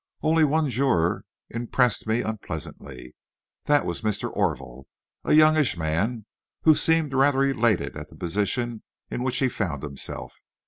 Only one juror impressed me unpleasantly. That was Mr. Orville, a youngish man, who seemed rather elated at the position in which he found himself.